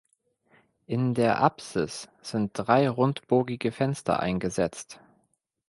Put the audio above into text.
In der Apsis sind drei rundbogige Fenster eingesetzt.